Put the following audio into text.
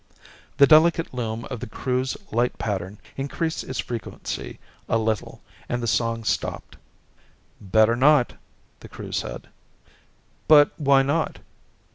The delicate loom of the Crew's light pattern increased its frequency a little and the song stopped. "Better not," the Crew said. "But why not?"